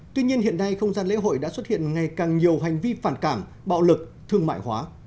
tuy nhiên hiện nay không gian lễ hội đã xuất hiện ngày càng nhiều hành vi phản cảm bạo lực thương mại hóa